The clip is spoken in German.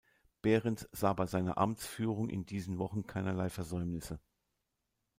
Behrens sah bei seiner Amtsführung in diesen Wochen keinerlei Versäumnisse.